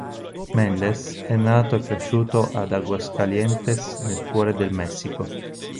Méndez è nato e cresciuto ad Aguascalientes nel cuore del Messico.